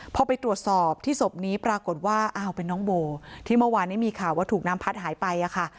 พอไปตรวจสอบที่ศพนี้ปรากฏว่าอ้าวเป็นน้องโบที่เมื่อวานนี้มีข่าวว่าถูกน้ำพัดหายไปค่ะ